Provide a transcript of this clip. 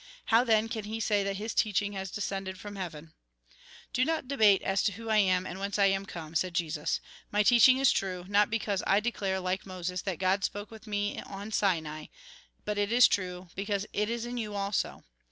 How, then, can he say that his teaching has descended from heaven ?"" Do not debate as to who I am, and whence I am come," said Jesus. " My teaching is true, not because I declare, like Moses, that God spoke with me on Sinai ; but it is true because it is in you also.